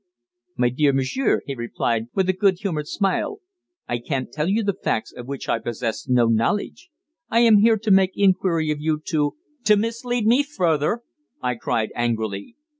"My dear monsieur," he replied, with a good humoured smile, "I can't tell you facts of which I possess no knowledge. I am here to make inquiry of you to " "To mislead me further!" I cried angrily.